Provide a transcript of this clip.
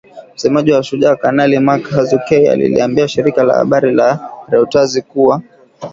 Msemaji wa Shujaa, Kanali Mak Hazukay aliliambia shirika la habari la reutazi kuwa